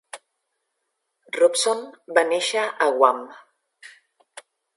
Robson va néixer a Guam.